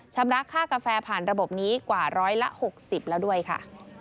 ชำระค่ากาแฟผ่านระบบนี้กว่าร้อยละ๖๐แล้วด้วยค่ะ